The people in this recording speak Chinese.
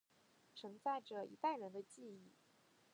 承载着一代人的记忆